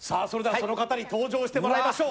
その方に登場してもらいましょう。